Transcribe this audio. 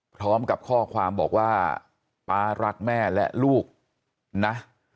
พร้อมกับข้อความบอกว่าป๊ารักแม่และลูกนะ